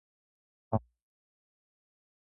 いえ、何もございません。